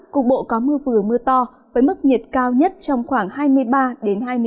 cục bộ có mưa vừa mưa to với mức nhiệt cao nhất trong khoảng hai mươi ba hai mươi bốn